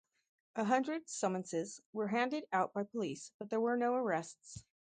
A hundred summonses were handed out by police but there were no arrests.